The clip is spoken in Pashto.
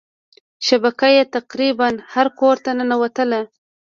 شبکه یې تقريبا هر کورته ننوتله.